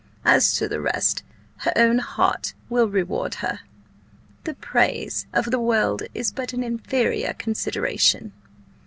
As to the rest, her own heart will reward her. The praise of the world is but an inferior consideration.